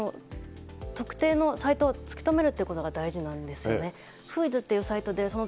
まずは特定のサイトを突き止めるということが大事なんですよね。